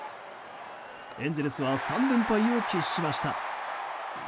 エンゼルスは３連敗を喫しました。